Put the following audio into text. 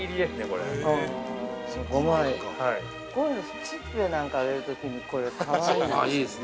◆こういうの、チップや何か上げるときにこれ、かわいいです。